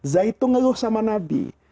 zaid itu ngeluh sama nabi